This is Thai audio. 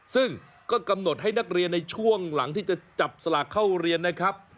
ซึ่งก็กำหนดให้นักเรียนในช่วงหลังที่จะจับสลากเข้าเรียนนะครับ